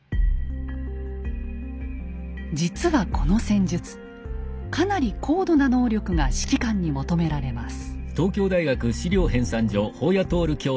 実はこの戦術かなり高度な能力が指揮官に求められます。